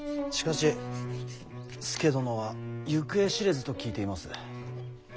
しかし佐殿は行方知れずと聞いています。